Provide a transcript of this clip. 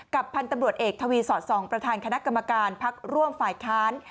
พันธุ์ตำรวจเอกทวีสอดส่องประธานคณะกรรมการพักร่วมฝ่ายค้าน